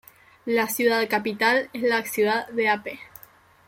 La ciudad capital es la ciudad de Ape.